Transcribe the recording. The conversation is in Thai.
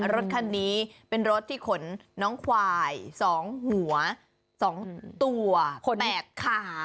รถคันนี้เป็นรถที่ขนน้องควาย๒หัว๒ตัว๘ขา